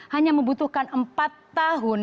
hanya membutuhkan empat tahun